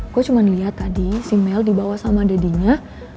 gue cuma liat tadi si mel dibawa sama daddy nya